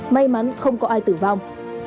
may mắn không có ai tử vong